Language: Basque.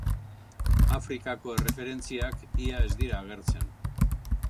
Afrikako erreferentziak ia ez dira agertzen.